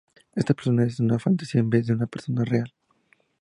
Esta persona es una fantasía en vez de una persona real.